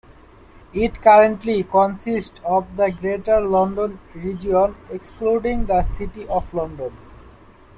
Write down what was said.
It currently consists of the Greater London region, excluding the City of London.